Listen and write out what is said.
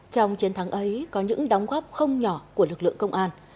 trong chiến thắng ấy có những đóng góp không nhỏ của lực lượng công an